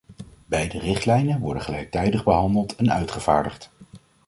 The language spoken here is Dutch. Beide richtlijnen worden gelijktijdig behandeld en uitgevaardigd.